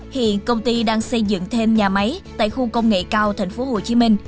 hiện công ty đang xây dựng thêm nhà máy tại khu công nghệ cao tp hcm